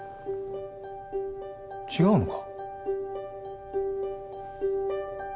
違うのか？